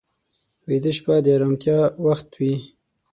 ویده شپه د ارامتیا وخت وي